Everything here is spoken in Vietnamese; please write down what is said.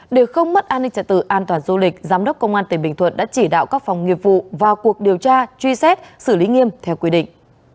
để không mất an ninh trả tự an toàn du lịch giám đốc công an tỉnh bình thuận đã chỉ đạo các phòng nghiệp vụ vào cuộc điều tra truy xét xử lý nghiêm theo quy định